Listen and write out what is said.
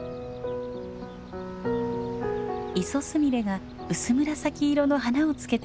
イソスミレが薄紫色の花をつけています。